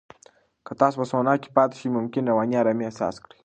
که تاسو په سونا کې پاتې شئ، ممکن رواني آرامۍ احساس وکړئ.